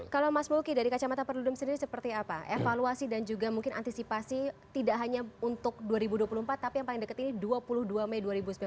kalau mas mulki dari kacamata perludem sendiri seperti apa evaluasi dan juga mungkin antisipasi tidak hanya untuk dua ribu dua puluh empat tapi yang paling dekat ini dua puluh dua mei dua ribu sembilan belas